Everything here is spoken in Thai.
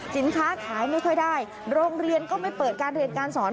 สินค้าขายไม่ค่อยได้โรงเรียนก็ไม่เปิดการเรียนการสอน